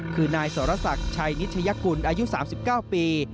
คือนายสรศักดิ์ชัยนิชยกุลอายุ๓๙ปี